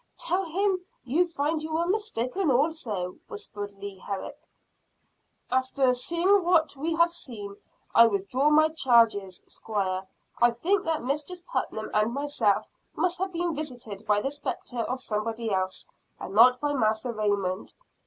"Tell him you find you were mistaken also," whispered Leah Herrick. "After seeing what we have seen, I withdraw my charges, Squire. I think that Mistress Putnam and myself must have been visited by the spectre of somebody else, and not by Master Raymond."